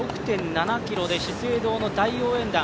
６．７ｋｍで資生堂の大応援団。